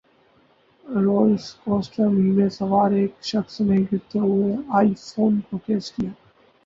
roller کوسٹرمیں سوار ایک شخص نے گرتے ہوئے آئی فون کو کیچ کیا